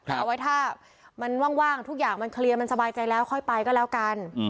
เอาไว้ถ้ามันว่างทุกอย่างมันเคลียร์มันสบายใจแล้วค่อยไปก็แล้วกัน